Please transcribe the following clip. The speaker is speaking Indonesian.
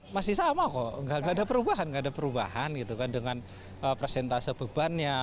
masih sama kok nggak ada perubahan nggak ada perubahan gitu kan dengan presentase bebannya